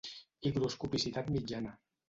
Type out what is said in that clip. Higroscopicitat mitjana.